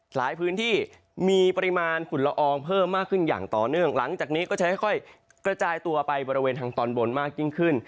หลายพื้นที่มีปริมาณฝุ่นละอองเพิ่มมากขึ้นอย่างต่อเนื่องหลังจากนี้ก็จะค่อยกระจายตัวไปบริเวณทางตอนบนมากยิ่งขึ้น